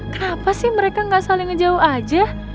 kenapa sih mereka gak saling jauh aja